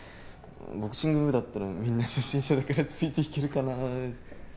ボクシング部だったらみんな初心者だからついていけるかなって。